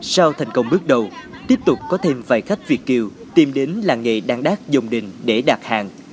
sau thành công bước đầu tiếp tục có thêm vài khách việt kiều tìm đến làng nghề đăng đác dồng đình để đặt hàng